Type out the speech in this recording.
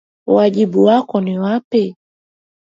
Wajibu wako ni upi?